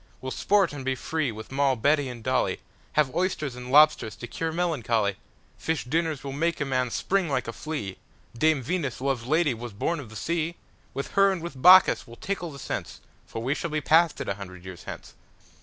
We'll sport and be free with Moll, Betty, and Dolly, Have oysters and lobsters to cure melancholy:Fish dinners will make a man spring like a flea, Dame Venus, love's lady, Was born of the sea:With her and with Bacchus we'll tickle the sense, For we shall be past it a hundred years hence.